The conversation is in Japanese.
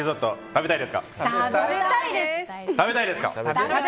食べたいですか？